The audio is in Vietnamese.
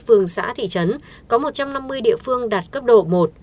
phường xã thị trấn có một trăm năm mươi địa phương đạt cấp độ một